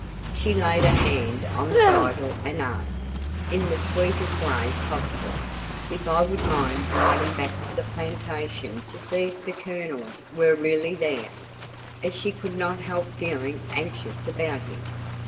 She laid her hand on the bridle and asked, in the sweetest way possible, if I would mind riding back to the plantation to see if the Colonel were really there, as she could not help feeling anxious about him.